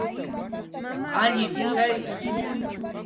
Alin tsayqa.